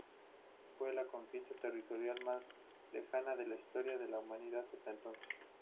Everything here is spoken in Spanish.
Fue la conquista territorial más lejana en la historia de la humanidad hasta entonces.